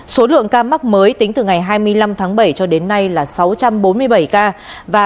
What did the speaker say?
số lượng ca mắc mới tính từ ngày hai mươi năm tháng bảy cho đến nay là sáu trăm bốn mươi bảy ca và